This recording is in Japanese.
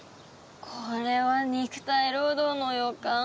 これは肉体労働の予感。